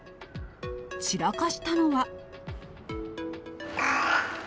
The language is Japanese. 散らかしたのは。